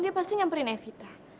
dia pasti nyamperin evita